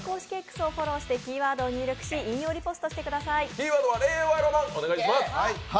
キーワードは令和ロマンお願いします。